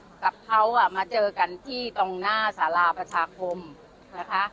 เพราะว่าคือป้ากับเขามาเจอกันที่ตรงหน้าสาราประชาคมนะคะ